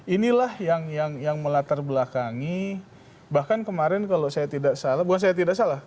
inilah yang melatar belakangi bahkan kemarin kalau saya tidak salah